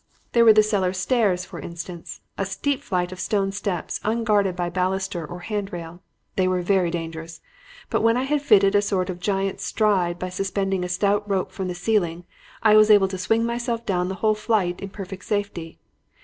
There were the cellar stairs, for instance; a steep flight of stone steps, unguarded by baluster or handrail. They were very dangerous. But when I had fitted a sort of giant stride by suspending a stout rope from the ceiling, I was able to swing myself down the whole flight in perfect safety.